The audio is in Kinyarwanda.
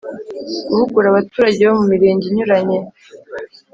Guhugura abaturage bo mu mirenge inyuranye